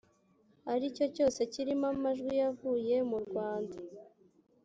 ari cyo cyose kirimo amajwi yavuye murwanda